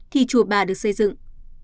thì chùa bà được xây dựng